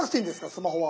スマホは。